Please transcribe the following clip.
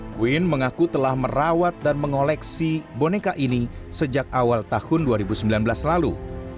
queen mengaku telah merawat dan mengoleksi boneka ini sejak awal tahun dua ribu sembilan belas lalu